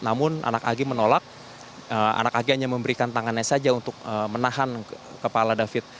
namun anak ag menolak anak ag hanya memberikan tangannya saja untuk menahan kepala david